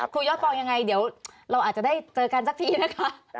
ยอดฟองยังไงเดี๋ยวเราอาจจะได้เจอกันสักทีนะคะ